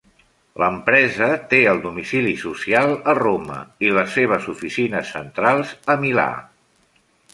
L'empresa té el domicili social a Roma i les seves oficines centrals a Milà.